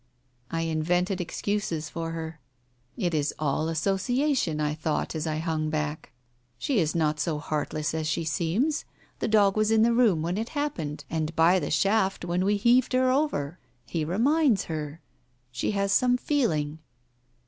I invented excuses for her. ... "It is all association," I thought, as I hung back. Digitized by Google THE WITNESS 201 "She is not so heartless as she seems. The dog was in the room when it happened, and by the shaft when we heaved Her over. He reminds her. ... She has some feeling.